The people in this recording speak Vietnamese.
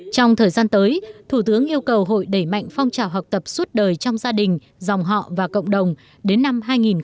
trong thời gian tới thủ tướng yêu cầu hội đẩy mạnh phong trào học tập suốt đời trong gia đình dòng họ và cộng đồng đến năm hai nghìn hai mươi